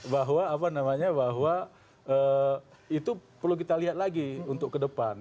bahwa apa namanya bahwa itu perlu kita lihat lagi untuk ke depan